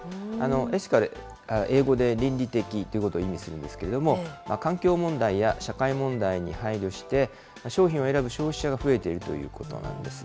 エシカル、英語で倫理的ということを意味するんですけれども、環境問題や社会問題に配慮して、商品を選ぶ消費者が増えているということなんです。